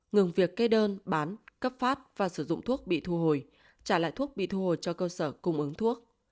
ngừng việc kê đơn bán cấp phát và sử dụng thuốc bị thu hồi trả lại thuốc bị thu hồi cho cơ sở cung ứng thuốc